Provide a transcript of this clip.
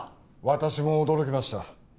私も驚きました。